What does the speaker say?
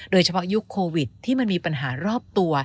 โดยเฉพาะยุคโควิดที่มันมีปัญหารอบตัว